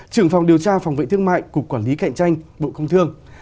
trưởng phòng điều tra phòng vệ thương mại cục quản lý cạnh tranh bộ công thương